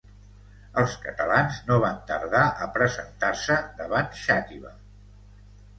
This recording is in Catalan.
Els catalans no van tardar a presentar-se davant Xàtiva.